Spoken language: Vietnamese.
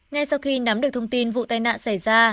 ngay sau khi nắm được thông tin vụ tai nạn xảy ra